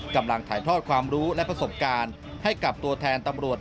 กำลังถ่ายทอดความรู้และประสบการณ์ให้กับตัวแทนตำรวจ